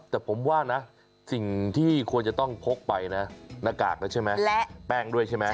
แต่ผมว่านะสิ่งที่ควรจะต้องพกไปนะหน้ากากแล้วใช่ไหมและแป้งด้วยใช่ไหม